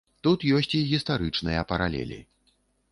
Тут ёсць і гістарычныя паралелі.